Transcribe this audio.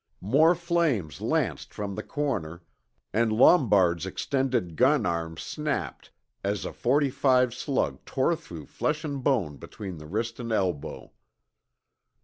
More flames lanced from the corner, and Lombard's extended gun arm snapped as a forty five slug tore through flesh and bone between the wrist and elbow.